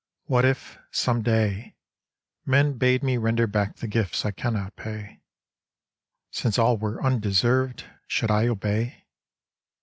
What if, some day, Men bade me render back the gifts I cannot pay, Since all were undeserved! should I obey?